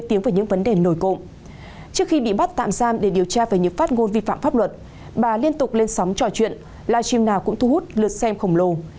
trước khi bị bắt tạm giam để điều tra về những phát ngôn vi phạm pháp luật bà liên tục lên sóng trò chuyện live stream nào cũng thu hút lượt xem khổng lồ